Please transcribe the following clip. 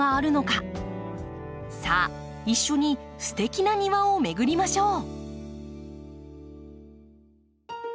さあ一緒にステキな庭を巡りましょう！